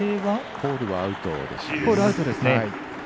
コールはアウトですね。